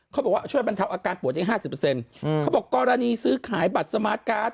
บอกว่าช่วยบรรเทาอาการปวดได้๕๐เขาบอกกรณีซื้อขายบัตรสมาร์ทการ์ด